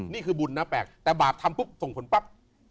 นี่คือบุญนะแปลกแต่บาปทำปุ๊บส่งผลปั๊บ